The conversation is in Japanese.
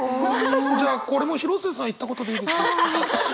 じゃあこれも広末さん言ったことでいいですよ。